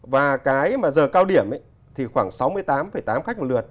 và cái mà giờ cao điểm thì khoảng sáu mươi tám tám khách một lượt